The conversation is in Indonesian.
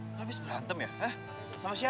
habis berantem ya